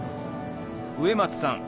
植松さん